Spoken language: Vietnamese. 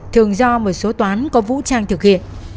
thường do một số toán có vũ trang thực hiện